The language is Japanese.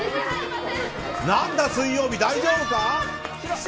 何だ水曜日大丈夫か？